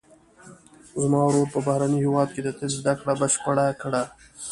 زما ورور په بهرني هیواد کې د طب زده کړه بشپړه کړه